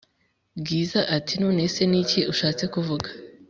bwiza ati"nonese niki ushatse kuvuga